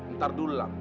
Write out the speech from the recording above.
ntar dulu lah